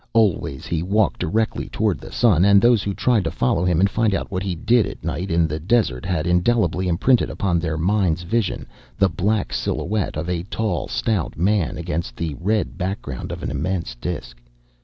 Always he walked directly toward the sun, and those who tried to follow him and find out what he did at night in the desert had indelibly imprinted upon their mind's vision the black silhouette of a tall, stout man against the red background of an immense disk.